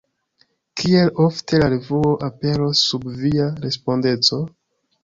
Kiel ofte la revuo aperos sub via respondeco?